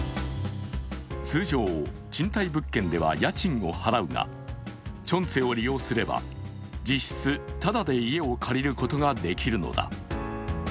通常、賃貸物件では家賃を払うが、チョンセを利用すれば、実質ただで家を借りることができるのだ。